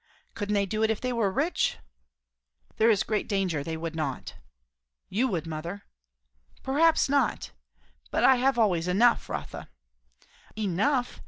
"Couldn't they do it if they were rich?" "There is great danger they would not." "You would, mother." "Perhaps not. But I have always enough, Rotha." "Enough!"